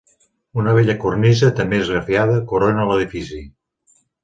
Una bella cornisa, també esgrafiada, corona l'edifici.